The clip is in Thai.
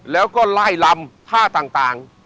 แล้วก็ไล่ลำท่าต่าง